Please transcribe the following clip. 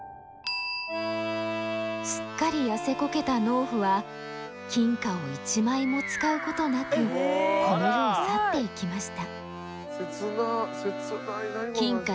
すっかり痩せこけた農夫は金貨を一枚も使うことなくこの世を去っていきました。